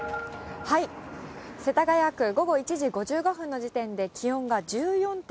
世田谷区、午後１時５５分の時点で気温が１４．１度。